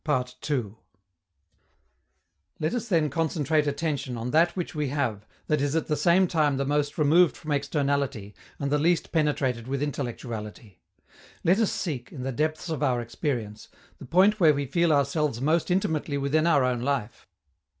Let us then concentrate attention on that which we have that is at the same time the most removed from externality and the least penetrated with intellectuality. Let us seek, in the depths of our experience, the point where we feel ourselves most intimately within our own life.